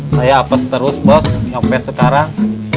saya apes terus bos sampai sekarang